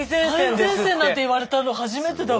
最前線なんて言われたの初めてだわ。